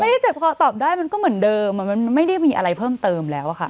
เจ็บพอตอบได้มันก็เหมือนเดิมมันไม่ได้มีอะไรเพิ่มเติมแล้วอะค่ะ